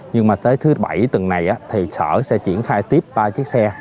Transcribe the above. nhưng mà tới thứ bảy tuần này thì sở sẽ triển khai tiếp ba chiếc xe